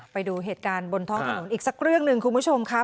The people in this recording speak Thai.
ไปดูเหตุการณ์บนท้องถนนอีกสักเรื่องหนึ่งคุณผู้ชมครับ